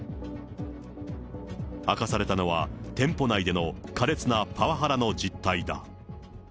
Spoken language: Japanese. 明かされたのは、店舗内でのかれつなパワハラの実態だ。